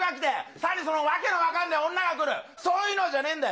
さらにその訳の分かんない女が来る、そういうのじゃねえんだよ。